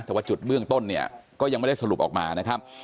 แต่ว่าจุดเบื้องต้นเนี่ยก็ยังไม่ได้สรุปออกมานะครับ